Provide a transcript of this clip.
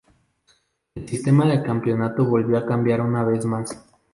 El sistema de campeonato volvió a cambiar una vez más.